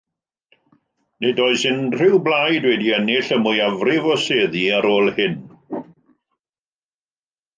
Nid oes unrhyw blaid wedi ennill y mwyafrif o seddi ar ôl hyn.